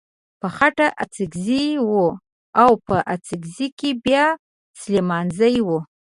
په خټه اڅکزی و او په اڅګزو کې بيا سليمانزی و.